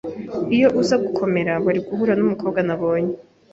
Iyo uza gukomera, wari guhura numukobwa nabonye.